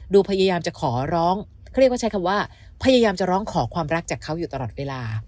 พยายามจะขอร้องเขาเรียกว่าใช้คำว่าพยายามจะร้องขอความรักจากเขาอยู่ตลอดเวลา